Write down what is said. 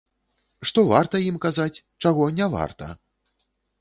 Што варта ім казаць, чаго не варта?